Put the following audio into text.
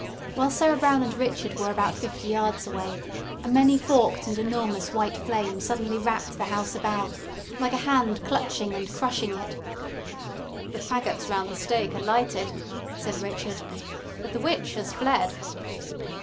While Sarah Brown and Richard were about fifty yards away, a many forked and enormous white flame suddenly wrapped the house about, like a hand clutching and crushing it. "The faggots round the stake are lighted," said Richard. "But the witch has fled."